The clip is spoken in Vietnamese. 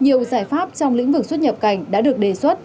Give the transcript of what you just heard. nhiều giải pháp trong lĩnh vực xuất nhập cảnh đã được đề xuất